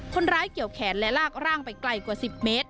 คนร้ายเกี่ยวแขนและลากร่างไปไกลกว่า๑๐เมตร